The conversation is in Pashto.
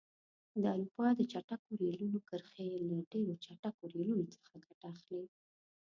د اروپا د چټکو ریلونو کرښې له ډېرو چټکو ریلونو څخه ګټه اخلي.